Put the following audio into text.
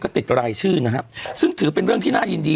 ติดรายชื่อนะครับซึ่งถือเป็นเรื่องที่น่ายินดี